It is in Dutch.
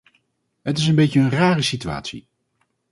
Het is een beetje een rare situatie.